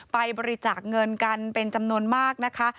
ไปบริจาคเงินกันเป็นจำนวนมากนะคะ